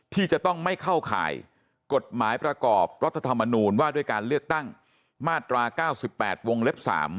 ที่จะต้องไม่เข้าข่ายกฎหมายประกอบรัฐธรรมนูญว่าด้วยการเลือกตั้งมาตรา๙๘วงเล็บ๓